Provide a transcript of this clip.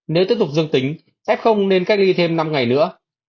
nếu tiếp tục dương tính f nên cách ly thêm năm ngày nữa